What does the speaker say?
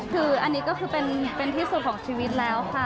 คืออันนี้ก็คือเป็นที่สุดของชีวิตแล้วค่ะ